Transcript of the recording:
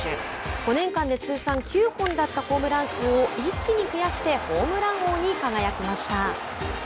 ５年間で通算９本だったホームラン数を一気に増やしてホームラン王に輝きました。